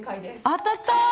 当たった！